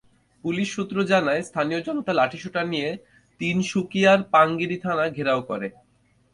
Police সূত্র জানায়, স্থানীয় জনতা লাঠিসোঁটা নিয়ে তিনসুকিয়ার পাঙ্গিরি থানা ঘেরাও করে।